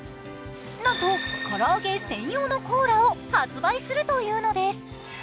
なんと、からあげ専用のコーラを発売するというのです。